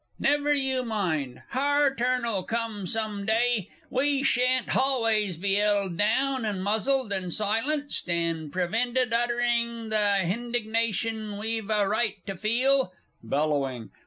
"_) Never you mind hour turn'll come some day! We sha'n't halways be 'eld down, and muzzled, and silenced, and prevented uttering the hindignation we've a right to feel! (_Bellowing.